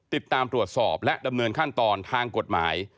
ติดตามตรวจสอบและดำเนินขั้นตอนทางกฎหมาย